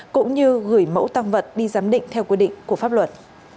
cũng như gửi mẫu tăng vật đi giám định theo quy định của pháp luật